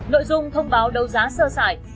nội dung thông báo đấu giá sơ sải